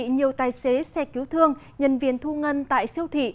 nhiều tài xế xe cứu thương nhân viên thu ngân tại siêu thị